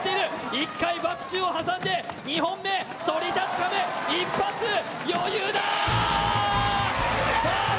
一回、バク宙を挟んで２本目、そり立つ壁一発余裕だ！